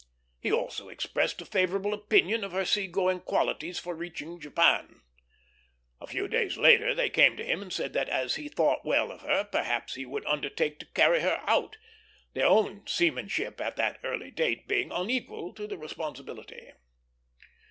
He also expressed a favorable opinion of her sea going qualities for reaching Japan. A few days later they came to him and said that, as he thought well of her, perhaps he would undertake to carry her out; their own seamanship at that early date being unequal to the responsibility.